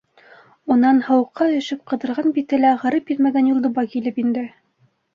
Унан һыуыҡҡа өшөп ҡыҙарған бите лә ағарып етмәгән Юлдыбай килеп инде.